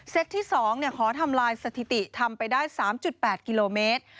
เซตที่สองเนี่ยขอทำลายสถิติทำไปได้๓๘กิโลเมตร